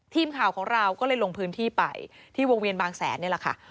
ทีมข่าวของเราก็เลยลงพื้นที่ไปที่วงเวียนบางแสนนี่แหละค่ะ